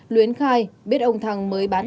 luyến khai biết ông thằng mới bán